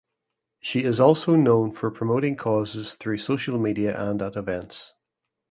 She is also known for promoting causes through social media and at events.